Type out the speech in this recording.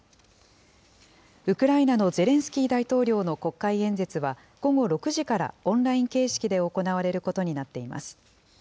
ウクライナのゼレンスキー大統領の国会演説は、午後６時からオンライン形式で行われることになっています。